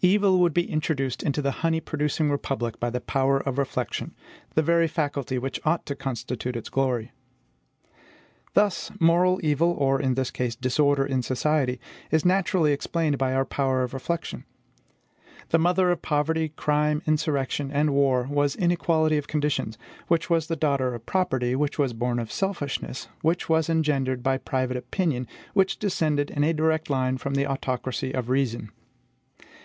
Evil would be introduced into the honey producing republic by the power of reflection, the very faculty which ought to constitute its glory. Thus, moral evil, or, in this case, disorder in society, is naturally explained by our power of reflection. The mother of poverty, crime, insurrection, and war was inequality of conditions; which was the daughter of property, which was born of selfishness, which was engendered by private opinion, which descended in a direct line from the autocracy of reason.